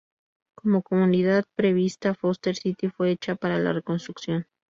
Como comunidad prevista, Foster City fue hecha para la reconstrucción.